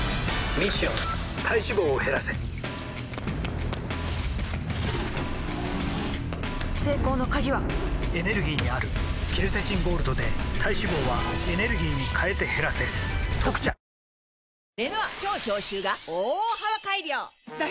ミッション体脂肪を減らせ成功の鍵はエネルギーにあるケルセチンゴールドで体脂肪はエネルギーに変えて減らせ「特茶」吾輩は栄養である